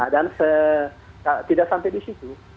dan tidak sampai di situ